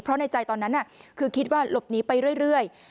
เพราะในใจตอนนั้นคือคิดว่าหลบหนีไปเรื่อย